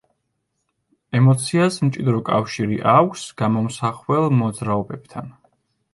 ემოციას მჭიდრო კავშირი აქვს გამომსახველ მოძრაობებთან.